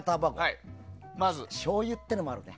まずしょうゆってのもあるね。